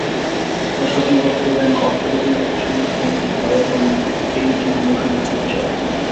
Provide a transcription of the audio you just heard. তার স্বপ্ন বাস্তবায়নে অর্থলগ্নি করতে সম্মতি জানিয়েছে ভায়াকম এইটিন মোশন পিকচার্স।